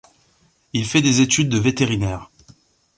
Il fait des études de vétérinaire.